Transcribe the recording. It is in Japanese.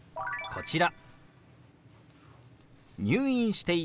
こちら。